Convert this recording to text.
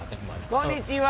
こんにちは。